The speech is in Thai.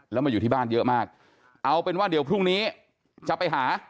แล้วมาอยู่ที่บ้านเยอะมากเอาเป็นว่าเดี๋ยวพรุ่งนี้จะไปหา